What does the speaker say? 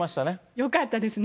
よかったですね。